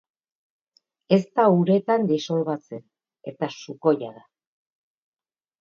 Ez da uretan disolbatzen, eta sukoia da.